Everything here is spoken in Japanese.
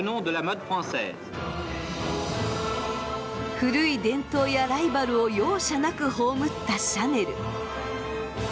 古い伝統やライバルを容赦なく葬ったシャネル。